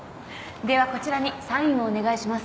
ではこちらにサインをお願いします。